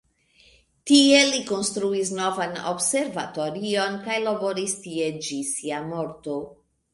Tie li konstruis novan observatorion kaj laboris tie ĝis sia morto.